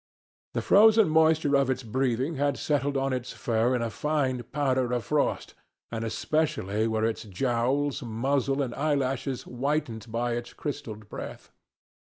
The frozen moisture of its breathing had settled on its fur in a fine powder of frost, and especially were its jowls, muzzle, and eyelashes whitened by its crystalled breath.